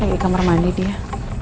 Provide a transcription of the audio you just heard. pagi ke kamar mandi dia